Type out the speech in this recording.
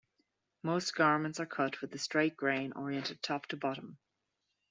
Most garments are cut with the straight grain oriented top to bottom.